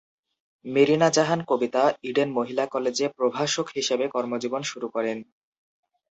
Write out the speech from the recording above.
Marina Jahan Kabita Eden মহিলা কলেজে প্রভাষক হিসাবে কর্মজীবন শুরু করেন।